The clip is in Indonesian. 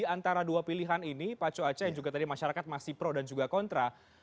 di antara dua pilihan ini pak cuace yang juga tadi masyarakat masih pro dan juga kontra